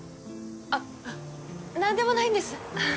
あっ何でもないんです。